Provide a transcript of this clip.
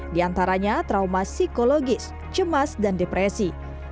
di antaranya trauma psikologis cemas dan depresi